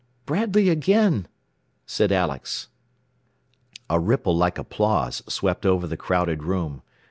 "Bradley again," said Alex. A ripple like applause swept over the crowded room.